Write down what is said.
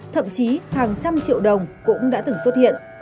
thậm chí hàng trăm triệu đồng cũng đã từng xuất hiện